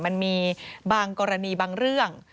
มันมีบางกรณีบางเรื่อง